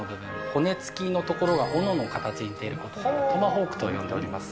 骨付きのところがおのの形に似ていることから、トマホークと呼んでおります。